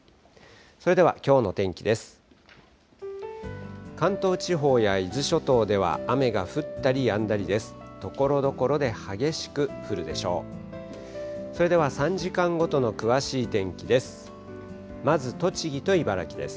それではきょうの天気です。